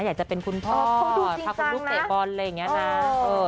อยากจะเป็นพ่อวิสัยพ่อคุณดูเซ็กบอลเลยใหญ่เอ่อ